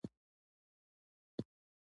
په افغانستان کې هلمند سیند ډېر اهمیت لري.